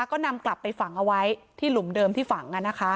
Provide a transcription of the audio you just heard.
ก็นำกลับไปฝังเอาไว้ที่หลุมเดิมที่ฝัง